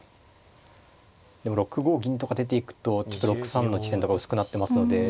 でも６五銀とか出ていくとちょっと６三の地点とか薄くなってますので。